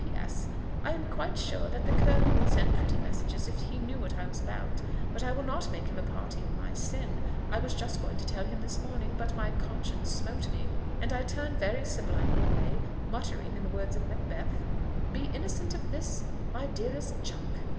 "P. S. I am quite sure that the colonel would send pretty messages if he knew what I was about: but I will not make him a party in my sin. I was just going to tell him this morning; but my conscience smote me, and I turned very sublimely away, muttering, in the words of Macbeth 'Be innocent of this, my dearest chuck!'"